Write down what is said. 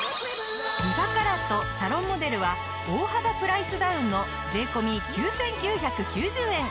リファカラットサロンモデルは大幅プライスダウンの税込９９９０円。